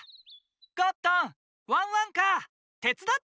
ゴットンワンワンカーてつだってくれる？